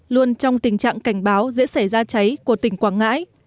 luôn trong tình trạng cảnh báo dễ xảy ra cháy của tỉnh quảng ngãi